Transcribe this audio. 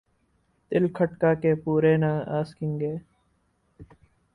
دل کھٹکا کہ پورے نہ آسکیں گے ۔